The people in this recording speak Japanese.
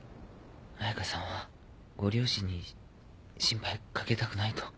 彩佳さんはご両親に心配かけたくないと。